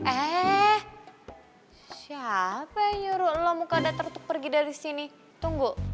eh siapa nyuruh lo muka datar untuk pergi dari sini tunggu